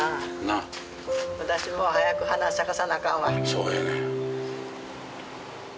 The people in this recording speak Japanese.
そうやねん。